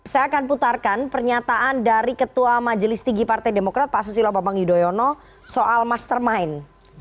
saya akan putarkan pernyataan dari ketua majelis tinggi partai demokrat pak susilo bambang yudhoyono soal mastermind